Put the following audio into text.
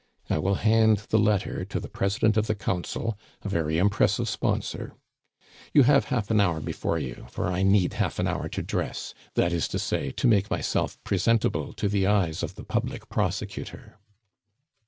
I will hand the letter to the President of the Council, a very impressive sponsor. You have half an hour before you, for I need half an hour to dress, that is to say, to make myself presentable to the eyes of the public prosecutor."